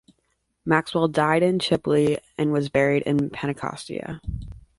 Maxwell died in Chipley and was buried in Pensacola.